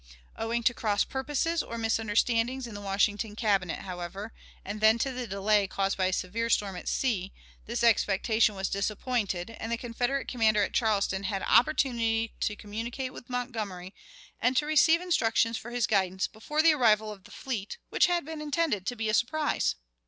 Owing to cross purposes or misunderstandings in the Washington Cabinet, however, and then to the delay caused by a severe storm at sea, this expectation was disappointed, and the Confederate commander at Charleston had opportunity to communicate with Montgomery and receive instructions for his guidance, before the arrival of the fleet, which had been intended to be a surprise.